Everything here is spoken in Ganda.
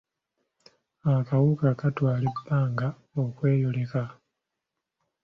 Akawuka katwala ebbanga okweyoleka.